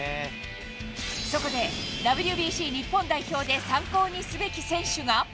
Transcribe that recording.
そこで、ＷＢＣ日本代表で参考にすべき選手が。